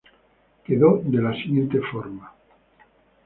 Quedó de la siguiente forma: Dr.